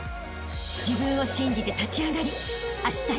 ［自分を信じて立ち上がりあしたへ